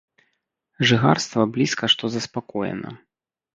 Жыхарства блізка што заспакоена.